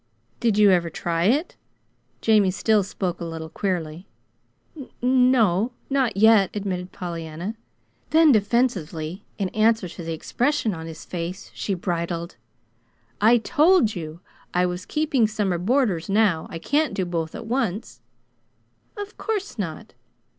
"Did you ever try it?" Jamie still spoke a little queerly. "N no; not yet," admitted Pollyanna. Then, defensively, in answer to the expression on his face, she bridled: "I TOLD you I was keeping summer boarders now. I can't do both at once." "Of course not!"